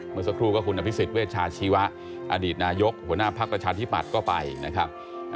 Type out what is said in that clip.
เมื่อสักครู่ก็คุณอภิษฐ์เวชชาติชีวะอดีตนายกหัวหน้าภักรชาติธิบหัดก็ไปนะครับ